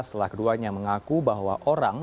setelah keduanya mengaku bahwa orang